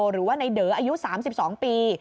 หรือว่าในเดออายุ๓๒ปี